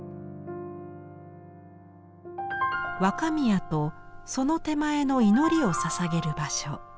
若宮とその手前の祈りをささげる場所。